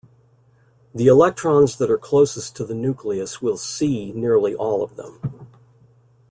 The electrons that are closest to the nucleus will 'see' nearly all of them.